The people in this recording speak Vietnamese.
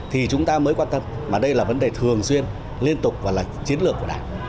thì chúng ta mới quan tâm mà đây là vấn đề thường xuyên liên tục và là chiến lược của đảng